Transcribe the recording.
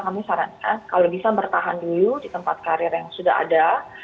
kami sarankan kalau bisa bertahan dulu di tempat karir yang sudah ada